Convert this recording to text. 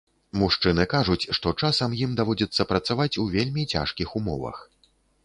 Мужчыны кажуць, што часам ім даводзіцца працаваць у вельмі цяжкіх умовах.